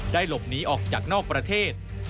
หลบหนีออกจากนอกประเทศ